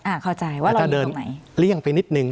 อ่าเข้าใจว่าเราอยู่ตรงไหนแต่ถ้าเดินเลี่ยงไปนิดนึง